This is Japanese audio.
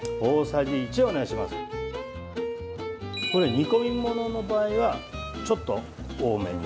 煮込みものの場合は、ちょっと多めに。